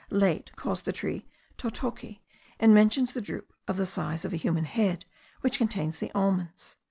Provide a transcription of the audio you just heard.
Laet calls the tree totocke, and mentions the drupe of the size of the human head, which contains the almonds.